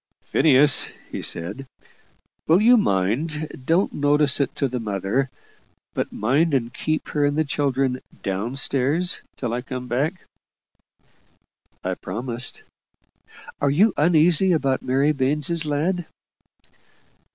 "Phineas," he said, "will you mind don't notice it to the mother but mind and keep her and the children down stairs till I come back?" I promised. "Are you uneasy about Mary Baines's lad?"